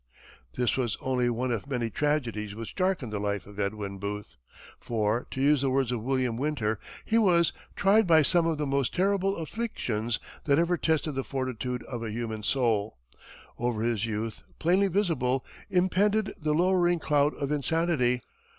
This was only one of many tragedies which darkened the life of Edwin Booth, for, to use the words of William Winter, he was "tried by some of the most terrible afflictions that ever tested the fortitude of a human soul. Over his youth, plainly visible, impended the lowering cloud of insanity.